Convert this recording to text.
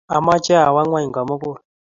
amoche awo ngony komugul.